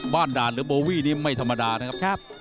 ด่านหรือโบวี่นี้ไม่ธรรมดานะครับ